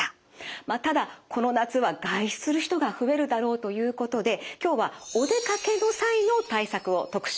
ただこの夏は外出する人が増えるだろうということで今日はお出かけの際の対策を特集していきます。